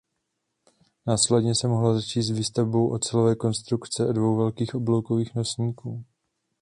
Následně se mohlo začít s výstavbou ocelové konstrukce a dvou velkých obloukových nosníků.